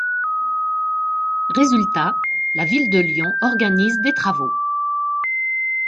Résultat, la ville de Lyon organise des travaux.